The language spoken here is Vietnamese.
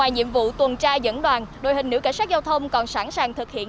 nữ cảnh sát giao thông còn sẵn sàng thực hiện